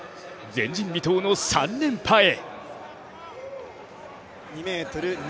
前人未到の３連覇へ。